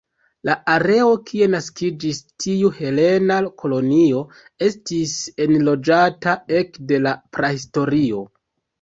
La areo kie naskiĝis tiu helena kolonio estis enloĝata ekde la prahistorio.